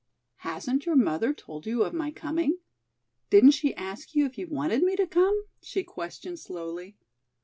"Hasn't your mother told you of my coming? didn't she ask you if you wanted me to come?" she questioned slowly.